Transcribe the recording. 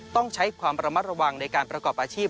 ต้องใช้ความระมัดระวังในการประกอบอาชีพ